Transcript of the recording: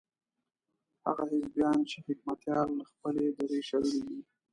هغه حزبيان چې حکمتیار له خپلې درې شړلي دي.